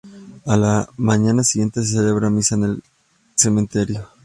A la mañana siguiente se celebra misa en el cementerio.